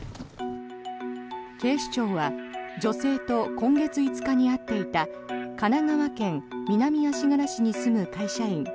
警視庁は女性と今月５日に会っていた神奈川県南足柄市に住む会社員